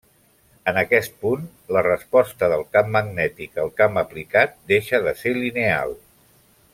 En aquest punt, la resposta del camp magnètic al camp aplicat deixa de ser lineal.